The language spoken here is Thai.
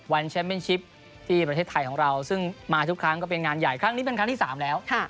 แชมป์เป็นชิปที่ประเทศไทยของเราซึ่งมาทุกครั้งก็เป็นงานใหญ่ครั้งนี้เป็นครั้งที่๓แล้ว